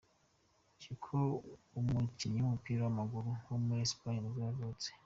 Kiko, umukinnyi w’umupira w’amaguru wo muri Espagne nibwo yavutse.